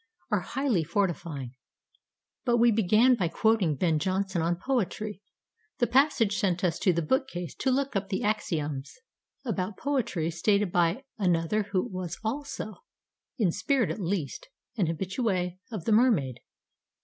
are highly fortifying. But we began by quoting Ben Jonson on poetry. The passage sent us to the bookcase to look up the "axioms" about poetry stated by another who was also, in spirit at least, an habitué of The Mermaid.